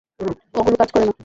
ওগুলো কাজ করে না।